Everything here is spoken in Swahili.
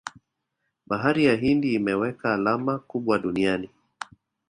bahari ya hindi imeweka alama kubwa duniani